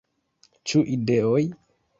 Ĉu ideoj?